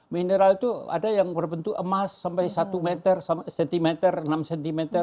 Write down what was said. mineral itu ada yang berbentuk emas sampai satu meter cm enam cm